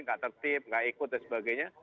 tidak tertip tidak ikut dan sebagainya